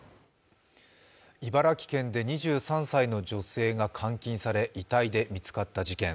茨城県で２３歳の女性が監禁され遺体で見つかった事件。